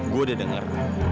saya sudah dengar